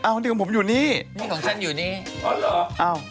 อันนี้ของผมอยู่นี่นี่ของฉันอยู่นี่อ๋อเหรอ